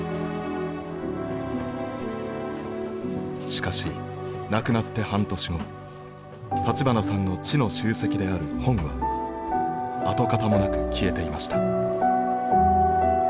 しかし亡くなって半年後立花さんの知の集積である本は跡形もなく消えていました。